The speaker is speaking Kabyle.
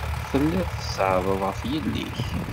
Tellid tzeɛɛḍed ɣef yelli-k.